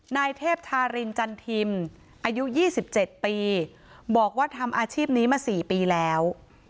นายเทพธารินจันทิมอายุ๒๗ปีบอกว่าทำอาชีพนี้มา๔ปีแล้ว